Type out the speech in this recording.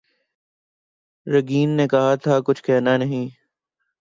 Reagan نے کہا تھا کہ کچھ کہنا نہیں